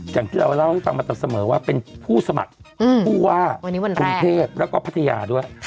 อย่างที่เราเล่าให้ฟังมาแต่เสมอว่าเป็นผู้สมัครผู้ว่ากรุงเทพแล้วก็พัทยาด้วย